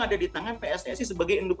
ada di tangan pssi sebagai induk